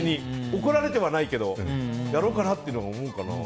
怒られてはないけどやろうかなって思うかな。